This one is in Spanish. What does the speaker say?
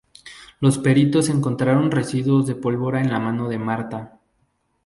Los peritos encontraron residuos de pólvora en la mano de Marta.